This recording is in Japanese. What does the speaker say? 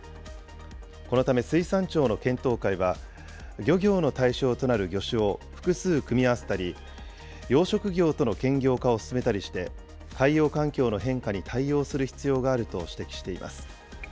このため、水産庁の検討会は、漁業の対象となる魚種を複数組み合わせたり、養殖業との兼業化を進めたりして、海洋環境の変化に対応する必要があると指摘しています。